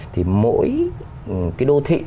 thì mỗi cái đô thị